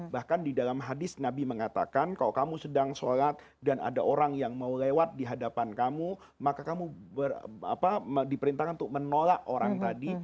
bahkan di dalam hadis nabi mengatakan kalau kamu sedang sholat dan ada orang yang mau lewat di hadapan kamu maka kamu diperintahkan untuk menolak orang tadi